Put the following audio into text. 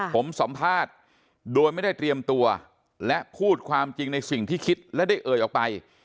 ผมสัมภาษณ์โดยไม่ได้เตรียมตัวและพูดความจริงในสิ่งที่คิดและได้เอ่ยออกไป